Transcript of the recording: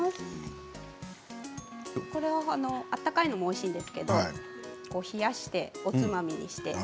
これは温かいのもおいしいですけど冷やして、おつまみにして。